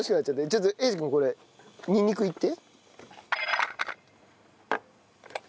ちょっと英二君これにんにくいって。